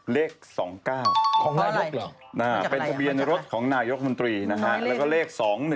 เลข๒๙นะฮะเป็นทะเบียนรถของนายกมันตรีนะฮะแล้วก็เลข๒๑๙